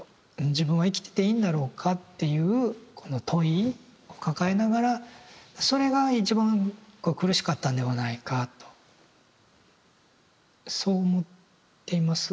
「自分は生きてていいんだろうか」っていうこの問いを抱えながらそれが一番苦しかったんではないかとそう思っています。